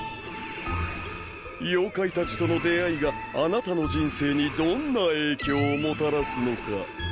妖怪たちとの出会いがあなたの人生にどんな影響をもたらすのか。